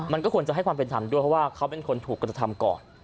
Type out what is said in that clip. มันก็ควรจะให้ความเป็นธรรมด้วยเพราะว่าเขาเป็นคนถูกกระทำก่อน